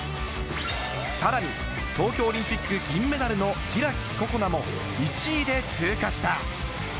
さらに東京オリンピック銀メダルの開心那も１位で通過した。